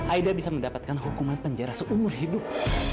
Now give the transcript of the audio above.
aida bisa mendapatkan hukuman penjara seumur hidup